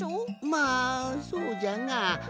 まあそうじゃが。